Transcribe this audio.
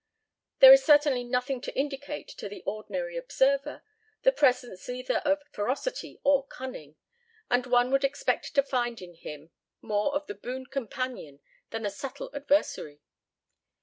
There is certainly nothing to indicate to the ordinary observer the presence either of ferocity or cunning, and one would expect to find in him more of the boon companion than the subtle adversary.